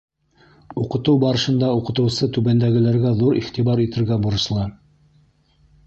Уҡытыу барышында уҡытыусы түбәндәгеләргә ҙур иғтибар итергә бурыслы.